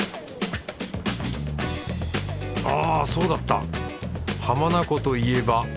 ああそうだった浜名湖といえば。